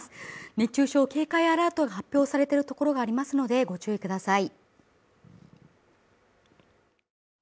熱中症警戒アラートが発表されているところがありますのでご注意ください